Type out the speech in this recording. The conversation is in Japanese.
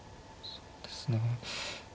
そうですね。